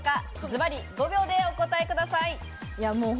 ズバリ５秒でお答えください。